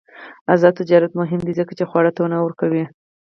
آزاد تجارت مهم دی ځکه چې خواړه تنوع ورکوي.